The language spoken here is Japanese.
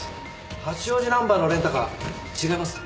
八王子ナンバーのレンタカー違いますか？